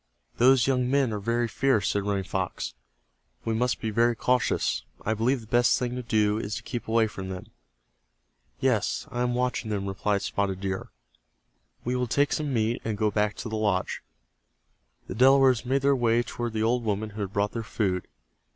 "Those young men are very fierce," said Running Fox. "We must be very cautious. I believe the best thing to do is to keep away from them." "Yes, I am watching them," replied Spotted Deer. "We will take some meat, and go back to the lodge." The Delawares made their way toward the old woman who had brought their food.